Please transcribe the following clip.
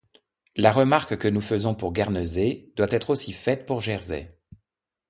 La remarque que nous faisons pour Guernesey doit être aussi faite pour Jersey.